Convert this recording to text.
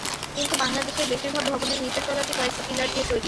কিন্তু বাংলাদেশের বেশির ভাগ ভবনের নিচের তলাটি কয়েকটি পিলার দিয়ে তৈরি।